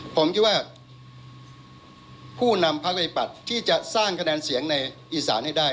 ผมคิดว่าผู้นำพักประชาธิปัตย์ที่จะสร้างคะแนนเสียงในอีสานให้ได้